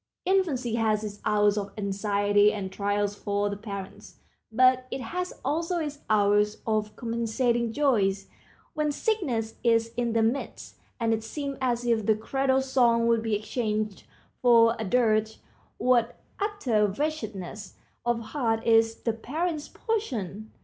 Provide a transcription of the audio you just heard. Infancy has its hours of anxiety and trials for the parents, but it has also its hours of compensating joys. When sickness is in the midst, and it seems as if the cradle song would be exchanged for a dirge, what utter wretchedness of heart is the parent's portion!